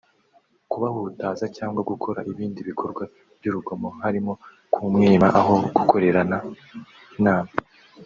kubahutaza cyangwa gukora ibindi bikorwa by’urugomo harimo kumwima aho gukorerera inama